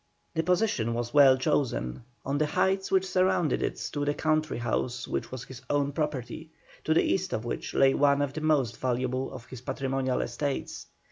The position was well chosen; on the heights which surrounded it stood a country house which was his own property, to the east of which lay one of the most valuable of his patrimonial estates.